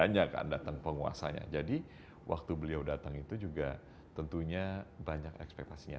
banyak kan datang penguasanya jadi waktu beliau datang itu juga tentunya banyak ekspektasinya